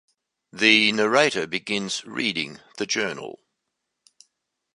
The narrator begins reading the journal.